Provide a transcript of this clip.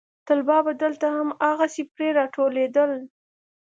طلبا به دلته هم هماغسې پرې راټولېدل.